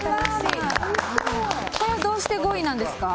これはどうして５位なんですか？